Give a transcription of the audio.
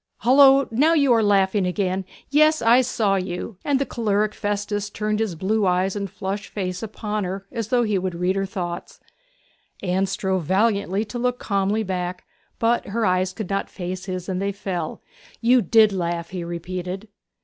'Hullo! now you are laughing again; yes, I saw you!' And the choleric Festus turned his blue eyes and flushed face upon her as though he would read her through. Anne strove valiantly to look calmly back; but her eyes could not face his, and they fell. 'You did laugh!' he repeated.